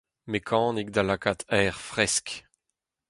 Mekanik da lakaat aer fresk.